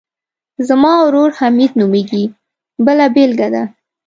زما ورور حمید نومیږي بله بېلګه ده.